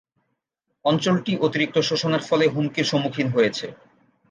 অঞ্চলটি অতিরিক্ত শোষণের ফলে হুমকির সম্মুখীন হয়েছে।